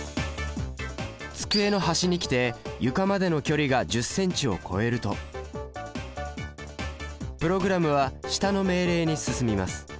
机の端に来て床までの距離が１０ｃｍを超えるとプログラムは下の命令に進みます。